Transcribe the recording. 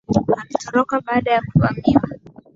Alitoroka baada ya kuvamiwa